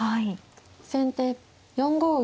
先手４五銀。